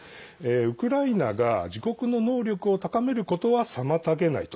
ウクライナが自国の能力を高めることは妨げないと。